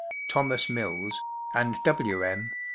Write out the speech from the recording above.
(Thomas Mills) and W. M.